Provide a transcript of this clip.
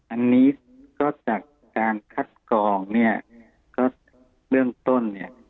อันนี้ก็จากการคัดกรองเนี่ยก็เบื้องต้นเนี่ย